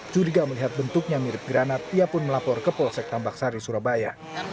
curiga melihat bentuknya mirip granat ia pun melapor ke polsek tambak sari surabaya